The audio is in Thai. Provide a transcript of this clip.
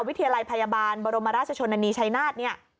วิทยาลัยพยาบาลบรมราชชนนานีชัยนาธเนี่ย